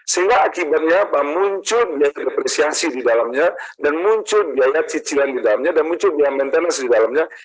sehingga akibatnya muncul biaya depresiasi di dalamnya dan muncul biaya cicilan di dalamnya dan muncul biaya maintenance di dalamnya